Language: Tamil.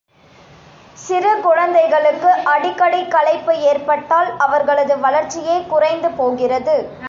சிறு குழந்தைகளுக்கு அடிக்கடி களைப்பு ஏற்பட்டால் அவர்களது வளர்ச்சியே குறைந்து போகிறது.